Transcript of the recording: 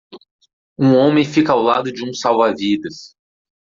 Um homem fica ao lado de um salva-vidas.